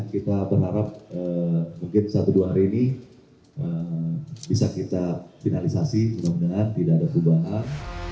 kita berharap mungkin satu dua hari ini bisa kita finalisasi mudah mudahan tidak ada perubahan